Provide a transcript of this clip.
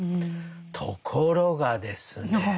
ところがですね